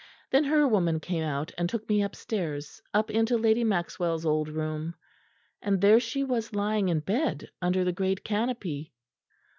Then her woman came out and took me upstairs, up into Lady Maxwell's old room; and there she was lying in bed under the great canopy.